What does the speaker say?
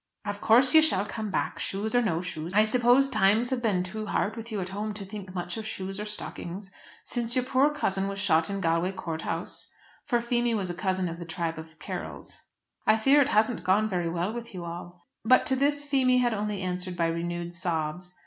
"Of course you shall come back, shoes or no shoes. I suppose times have been too hard with you at home to think much of shoes or stockings. Since your poor cousin was shot in Galway court house," for Feemy was a cousin of the tribe of Carrolls, "I fear it hasn't gone very well with you all." But to this Feemy had only answered by renewed sobs.